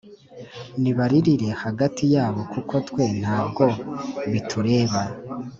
nibaririre hagati yabo kuko twe ntabwo bitureba